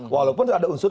walaupun ada unsur